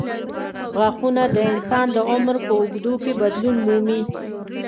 غاښونه د انسان د عمر په اوږدو کې بدلون مومي.